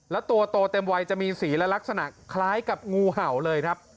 แล้วตัวโตเต็มวัยจะมีสีและลักษณะคล้ายกับงูเห่าเลยครับ